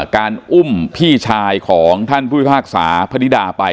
การอุ้มพี่ชายของท่านผู้พิพากษาพนิดาไป